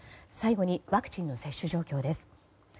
最後にワクチンの接種状況です。